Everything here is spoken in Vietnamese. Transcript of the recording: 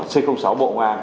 c sáu bộ ngoan